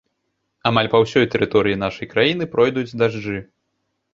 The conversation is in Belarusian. Амаль па ўсёй тэрыторыі нашай краіны пройдуць дажджы.